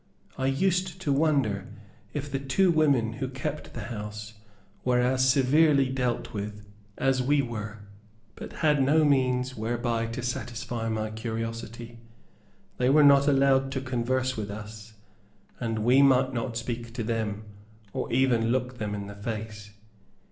I used to wonder if the two women who kept the house were as severely dealt with as we were, but had no means whereby to satisfy my curiosity. They were not allowed to converse with us, and we might not speak to them, or even look them in the face.